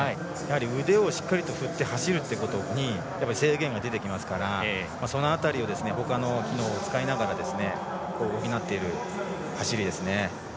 腕をしっかり振って走るということに制限が出てきますからその辺りほかの機能を使いながら補っている走りですね。